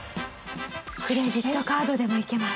クレジットカードでもいけます。